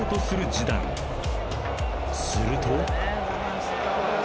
［すると］